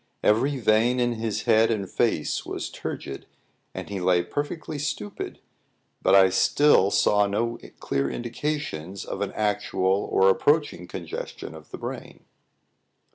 Every vein in his head and face was turgid, and he lay perfectly stupid, but still I saw no clear indications of an actual or approaching congestion of the brain.